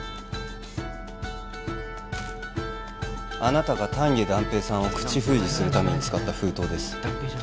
あなたが丹下段平さんを口封じするために使った封筒です